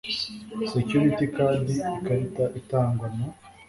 SECURITY CARD Ikarita itangwa na